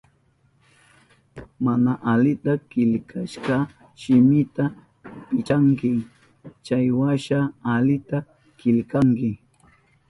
Mana alita killkashka shimita pichanki, chaywasha alita killkanki.